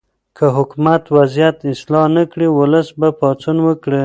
که حکومت وضعیت اصلاح نه کړي، ولس به پاڅون وکړي.